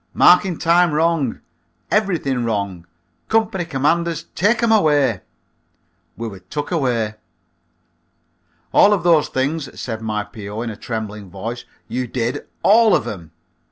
Marking time wrong. Everything wrong! Company commanders, take 'em away." We were took. "All of those things," said my P.O. in a trembling voice, "you did. All of 'em.